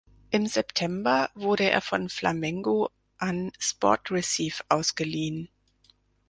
Im September wurde er von Flamengo an Sport Recife ausgeliehen.